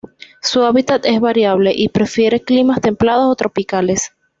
Su hábitat es variable y prefiere climas templados o tropicales.